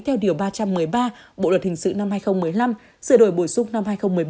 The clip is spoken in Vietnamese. theo điều ba trăm một mươi ba bộ luật hình sự năm hai nghìn một mươi năm sự đổi bồi xúc năm hai nghìn một mươi bảy